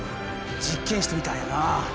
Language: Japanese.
実験室みたいやな。